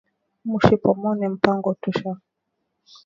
Mushi Pomone mpango tusha ku iripia